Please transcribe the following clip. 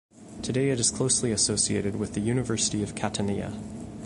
Today it is closely associated with the University of Catania.